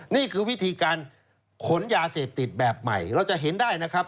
นี่คือวิธีการขนยาเสพติดแบบใหม่เราจะเห็นได้นะครับ